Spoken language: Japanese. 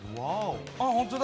本当だ！